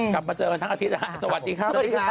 กลับมาเจอกันทั้งอาทิตย์นะสวัสดีครับ